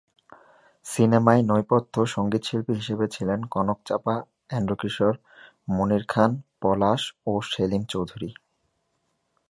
সিনেমায় নেপথ্য সঙ্গীতশিল্পী হিসেবে ছিলেন কনক চাঁপা, এন্ড্রু কিশোর, মনির খান, পলাশ ও সেলিম চৌধুরী।